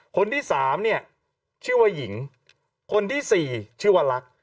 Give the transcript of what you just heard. คนที่๓เนี่ยชื่อว่าหญิงคนที่๔ชื่อว่ารัก